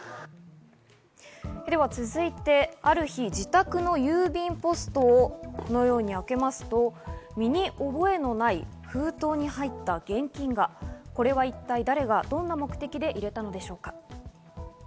続いて、ある日、自宅の郵便ポストをこのように開けますと、身に覚えのない封筒に入った現金がこれは一体誰がどんな目的で入れたのでしょうか？